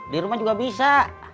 dirumah juga bisa